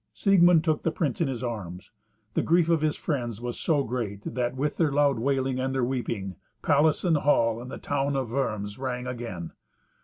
Siegmund took the prince in his arms; the grief of his friends was so great that, with their loud wailing and their weeping, palace and hall and the town of Worms rang again.